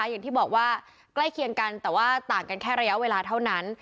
อย่างที่บอกว่าใกล้เคียงกันแต่ว่าต่างกันแค่ระยะเวลาเท่านั้น